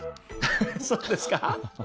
ハハそうですか。